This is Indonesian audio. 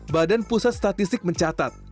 badan pusat statistik mencatat